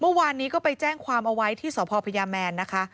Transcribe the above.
เมื่อวานนี้ก็ไปแจ้งความเอาไว้ที่สพพญาแมนนะคะ